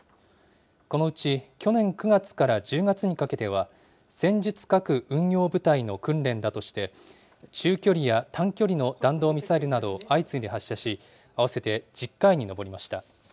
このうち去年９月から１０月にかけては、戦術核運用部隊の訓練だとして、中距離や短距離の弾道ミサイルなどを相次いで発射し、合わせて１０回に上りました。